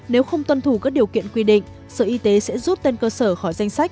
nếu không tuân thủ các điều kiện quy định sở y tế sẽ rút tên cơ sở khỏi danh sách